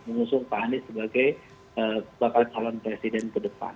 menyusun pak hanis sebagai bakal calon presiden ke depan